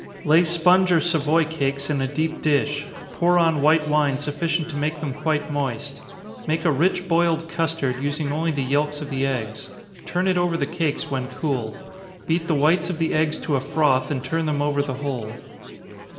_ Lay sponge or Savoy cakes in a deep dish pour on white wine sufficient to make them quite moist. Make a rich boiled custard, using only the yelks of the eggs turn it over the cakes when cool beat the whites of the eggs to a froth, and turn them over the whole.